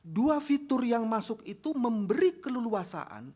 dua fitur yang masuk itu memberi keleluasaan